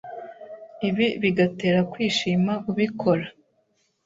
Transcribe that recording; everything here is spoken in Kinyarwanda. ibi bigatera kwishima ubikora.